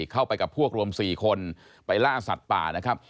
เข้าไปกับพวกรวม๔คนไปล่าสัตว์ป่านะครับ